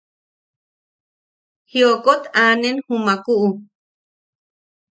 Jiokot anen jumakuʼu.